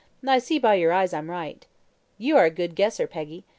"I see by your eyes I'm right." "You are a good guesser, Peggy.